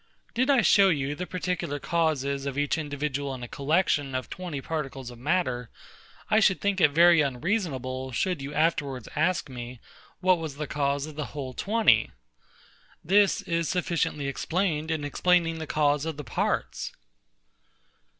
Did I show you the particular causes of each individual in a collection of twenty particles of matter, I should think it very unreasonable, should you afterwards ask me, what was the cause of the whole twenty. This is sufficiently explained in explaining the cause of the parts.